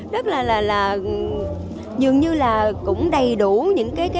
rất là là dường như là cũng đầy đủ những chương trình này